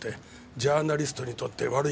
ジャーナリストにとって悪い